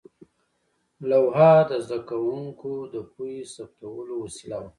لوحه د زده کوونکو د پوهې ثبتولو وسیله وه.